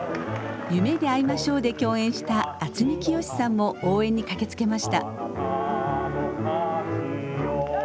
「夢であいましょう」で共演した渥美清さんも応援に駆けつけました。